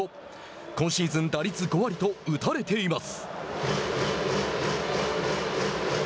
今シーズン、打率５割と打たれています。